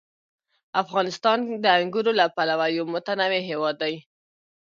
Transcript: افغانستان د انګورو له پلوه یو متنوع هېواد دی.